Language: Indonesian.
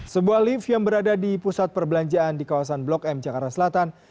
sebuah lift yang berada di pusat perbelanjaan di kawasan blok m jakarta selatan